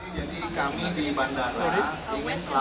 jadi kami di bandara ingin selalu